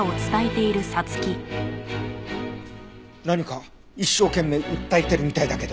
何か一生懸命訴えてるみたいだけど。